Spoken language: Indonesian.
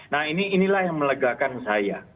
nah inilah yang melegakan saya